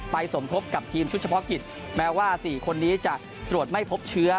สมทบกับทีมชุดเฉพาะกิจแม้ว่า๔คนนี้จะตรวจไม่พบเชื้อ